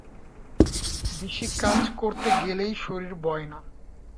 বেশী কাজ করতে গেলেই শরীর বয় না।